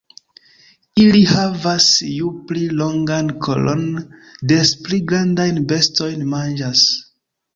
Ili havas ju pli longan kolon des pli grandajn bestojn manĝas.